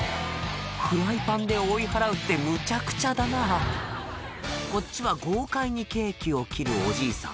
フライパンで追い払うってむちゃくちゃだなこっちは豪快にケーキを切るおじいさん